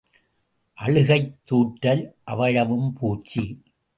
அழுகைத் தூற்றல் அவ்வளவும் பூச்சி.